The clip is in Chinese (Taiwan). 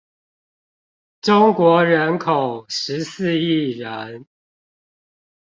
中國人口十四億人